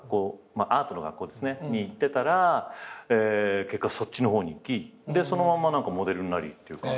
アートの学校に行ってたら結果そっちの方に行きそのままモデルになりっていう。